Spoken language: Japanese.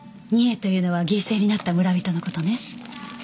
「贄」というのは犠牲になった村人の事ね。